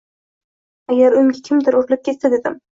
Agar unga kimdir urilib ketsa dedim.